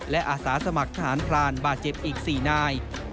และอาสาสมัครทหารพรานบาดเจ็บอีก๔นาย